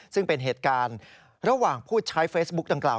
ซึ่งเป็นเหตุการณ์ระหว่างผู้ใช้เฟซบุ๊กดังกล่า